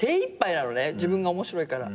自分が面白いから。